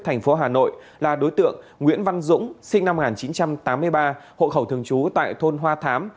thành phố hà nội là đối tượng nguyễn văn dũng sinh năm một nghìn chín trăm tám mươi ba hộ khẩu thường trú tại thôn hoa thám